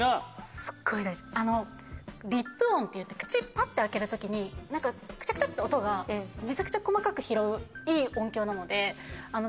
すっごい大事。っていって口パッて開けた時にクチャクチャって音がめちゃくちゃ細かく拾ういい音響なので。